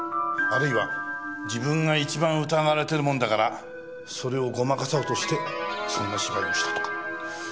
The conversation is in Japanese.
あるいは自分が一番疑われてるもんだからそれをごまかそうとしてそんな芝居をしたとか。